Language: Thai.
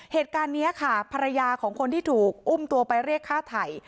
เหตุการณ์นี้ค่ะภรรยาของคนที่ถูกอุ้มตัวไปเรียกฆ่าไถ่